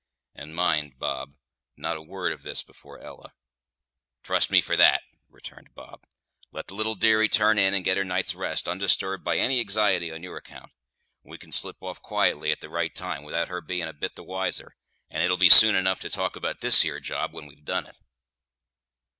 And mind, Bob, not a word of this before Ella." "Trust me for that," returned Bob. "Let the little dearie turn in and get her night's rest ondisturbed by any anxiety on your account. We can slip off quietly at the right time, without her bein' a bit the wiser; and it'll be soon enough to talk about this here job when we've done it."